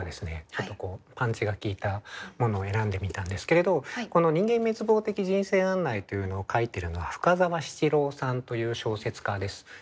ちょっとこうパンチが効いたものを選んでみたんですけれどこの「人間滅亡的人生案内」というのを書いてるのは深沢七郎さんという小説家です。